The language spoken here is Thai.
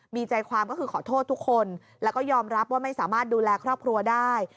มีใจความก็คือขอโทษทุกคนแล้วก็ยอมรับว่าไม่สามารถดูแลครอบครัวได้